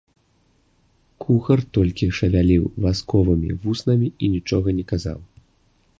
Кухар толькі шавяліў васковымі вуснамі і нічога не казаў.